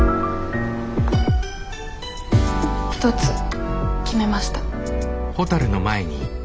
一つ決めました。